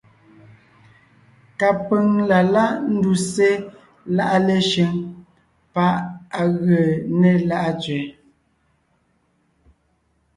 Kapʉ̀ŋ la láʼ ńduse láʼa Leshʉŋ pá ʼ á gee né Láʼa tsẅɛ.